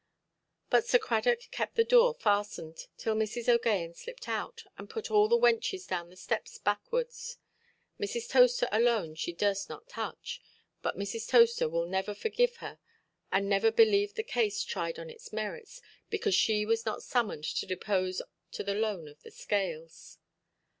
But Sir Cradock kept the door fastened, till Mrs. OʼGaghan slipped out, and put all the wenches down the steps backwards. Mrs. Toaster alone she durst not touch; but Mrs. Toaster will never forgive her, and never believe the case tried on its merits, because she was not summoned to depose to the loan of the scales.